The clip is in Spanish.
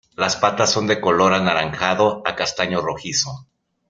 Las patas son de color anaranjado a castaño rojizo.